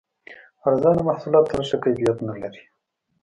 ارزانه محصولات تل ښه کیفیت نه لري.